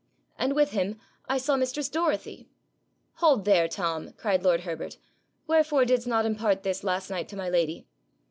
'And with him I saw mistress Dorothy ' 'Hold there, Tom!' cried lord Herbert. 'Wherefore didst not impart this last night to my lady?'